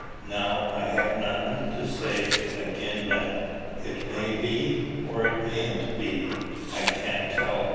Now, I ha' nothin' to say agin that: it may be, or it mayn't be I can't tell.